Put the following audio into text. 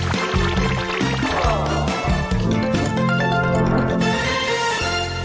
ก็สงสัยจังโมงแก่กับเวลาแก่มากสะดี